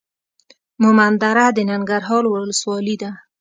مومندره د ننګرهار ولسوالۍ ده.